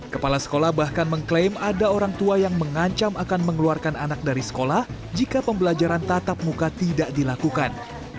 kepala sekolah bahkan mengklaim ada orang tua yang mengancam akan mengeluarkan anak dari sekolah jika pembelajaran tatap muka tidak dilakukan